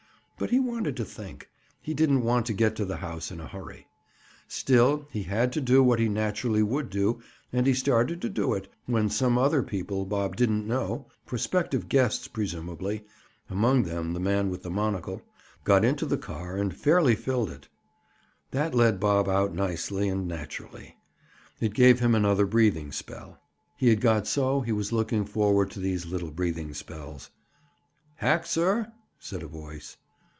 But he wanted to think; he didn't want to get to the house in a hurry. Still he had to do what he naturally would do and he started to do it when some other people Bob didn't know—prospective guests, presumably, among them the man with the monocle—got into the car and fairly filled it. That let Bob out nicely and naturally. It gave him another breathing spell. He had got so he was looking forward to these little breathing spells. "Hack, sir?" said a voice.